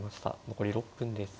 残り６分です。